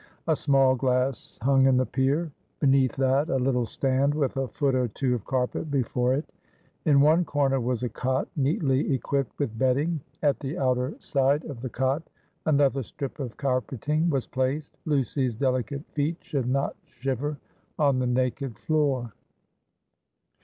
A small glass hung in the pier; beneath that, a little stand, with a foot or two of carpet before it. In one corner was a cot, neatly equipped with bedding. At the outer side of the cot, another strip of carpeting was placed. Lucy's delicate feet should not shiver on the naked floor.